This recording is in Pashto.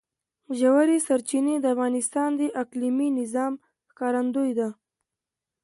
ژورې سرچینې د افغانستان د اقلیمي نظام ښکارندوی ده.